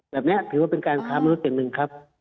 แบบนี้ถือว่าเป็นการค้ามนุษย์อย่างหนึ่งครับ